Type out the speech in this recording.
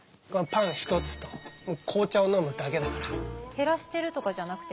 減らしてるとかじゃなくて？